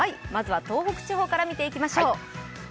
まずは東北地方からみていきましょう。